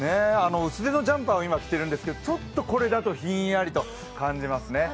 薄手のジャンパーを今、着ているんですけど、ちょっとこれだとひんやりと感じますね。